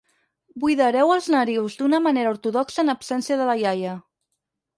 Buidareu els narius d'una manera ortodoxa en absència de la iaia.